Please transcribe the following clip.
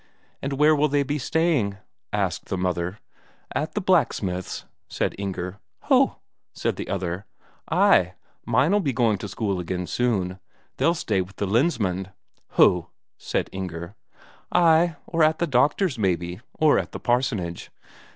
"And where will they be staying?" asked the mother. "At the blacksmith's," said Inger. "Ho!" said the other. "Ay, mine'll be going to school again soon. They'll stay with the Lensmand." "Ho!" said Inger. "Ay, or at the doctor's, maybe, or at the parsonage.